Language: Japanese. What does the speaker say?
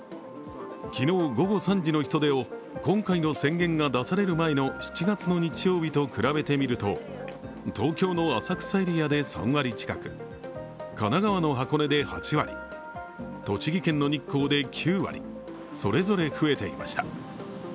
昨日午後３時の人出を今回の宣言が出される前の７月の日曜日と比べてみると東京の浅草エリアで３割近く神奈川の箱根で８割、栃木県の日光で９割それぞれ増えていました。